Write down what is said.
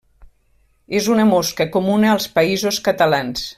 És una mosca comuna als Països Catalans.